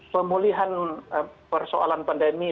pemulihan persoalan pandemi